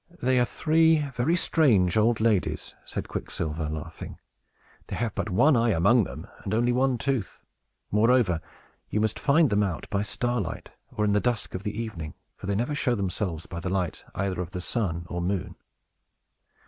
"They are three very strange old ladies," said Quicksilver, laughing. "They have but one eye among them, and only one tooth. Moreover, you must find them out by starlight, or in the dusk of the evening; for they never show themselves by the light either of the sun or moon."